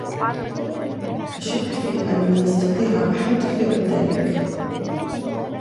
أشك في أن يستطيع أحد فعل ذلك.